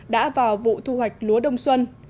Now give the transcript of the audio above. đã vào vụ thu hoạch lúa đông xuân